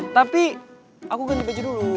tapi aku ganti baju dulu